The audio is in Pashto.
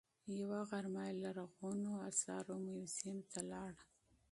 یوه غرمه یې لرغونو اثارو موزیم ته لاړ.